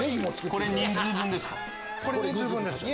これ人数分ですか？